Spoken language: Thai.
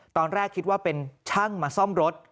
ตอนแรกคิดว่าเป็นช่างมาซ่อมรถ